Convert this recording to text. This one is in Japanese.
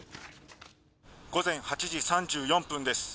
午前８時３４分です。